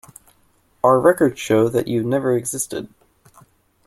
Our records show that you never existed.